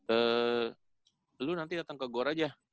eh lu nanti datang ke gor aja